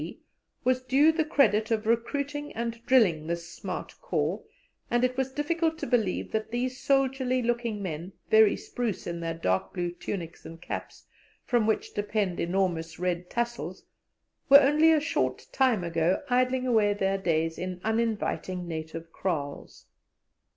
G., was due the credit of recruiting and drilling this smart corps, and it was difficult to believe that these soldierly looking men, very spruce in their dark blue tunics and caps, from which depend enormous red tassels, were only a short time ago idling away their days in uninviting native kraals.